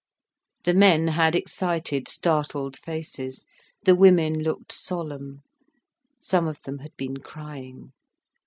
The men had excited, startled faces, the women looked solemn, some of them had been crying.